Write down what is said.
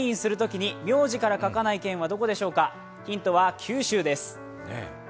ヒントは九州です。